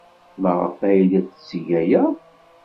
Maɣef ay la yetteg aya?